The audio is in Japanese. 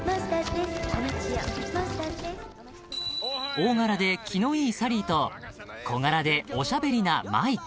［大柄で気のいいサリーと小柄でおしゃべりなマイク］